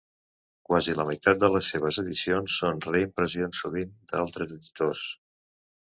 Quasi la meitat de les seves edicions són reimpressions, sovint obres d'altres editors.